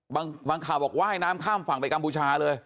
บางข่าวบอกว่ายน้ำข้ามฝั่งไปกัมพูชาเลย